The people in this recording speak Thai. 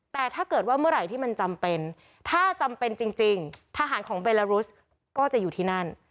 แต่ถ้าเกิดว่าเมื่อไหร่ที่มันจำเป็นถ้าจำเป็นจริงทหารของเบลารุสก็จะอยู่ที่นั่น